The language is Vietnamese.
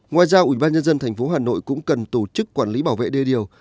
ngoài ra ubnd tp hà nội cũng cần tổ chức quản lý bảo vệ đề điều